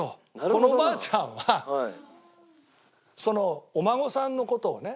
このおばあちゃんはそのお孫さんの事をね